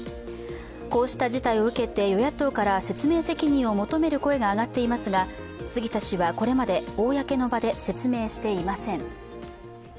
こうした事態を受けて与野党から説明責任を求める声が上がっていますが杉田氏はこれまで公の場で説明していません。